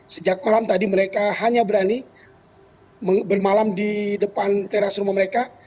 sejak malam tadi mereka hanya berani bermalam di depan teras rumah mereka